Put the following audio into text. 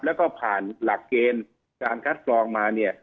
แล้วก็ผ่านหลักเกณฑ์การคัดกรองมาเนี่ย